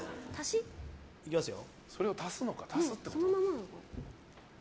いきますよ。